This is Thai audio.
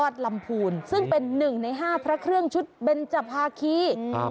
ซึ่งเป็น๑ใน๕พระเครื่องชุดเบนจภาคี